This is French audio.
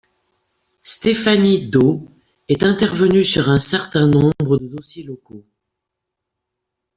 Stéphanie Do est intervenue sur un certain nombre de dossiers locaux.